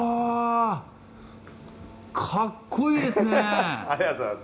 かっこいいですね